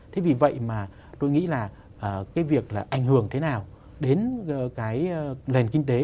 thế vì vậy mà tôi nghĩ là cái việc là ảnh hưởng thế nào đến cái nền kinh tế